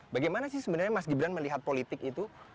bagaimana sih sebenarnya mas gibran melihat politik itu